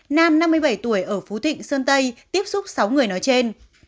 nam năm mươi bảy tuổi ở phú thịnh sơn tây tiếp xúc sáu người nói trên